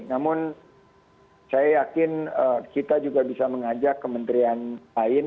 namun saya yakin kita juga bisa mengajak kementerian lain